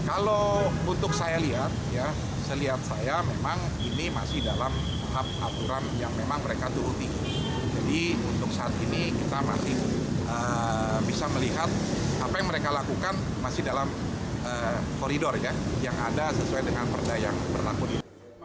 apa yang mereka lakukan masih dalam koridor yang ada sesuai dengan perda yang berlaku